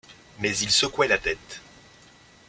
Mais il secouait la tête.